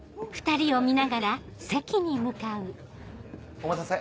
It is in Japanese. お待たせ。